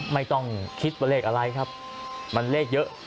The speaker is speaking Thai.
ไม่ต้องคิดว่าเลขอะไรครับมันเลขเยอะ